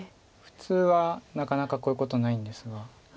普通はなかなかこういうことないんですが。